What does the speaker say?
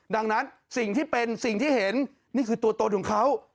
ดังนั้นสิ่งที่เป็นสิ่งที่เห็นนี่คือตัวตนของเขา